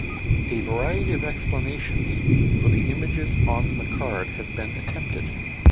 A variety of explanations for the images on the card have been attempted.